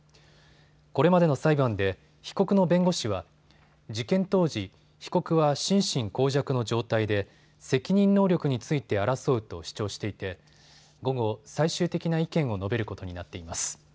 これまでの裁判で被告の弁護士は事件当時、被告は心神耗弱の状態で責任能力について争うと主張していて午後、最終的な意見を述べることになっています。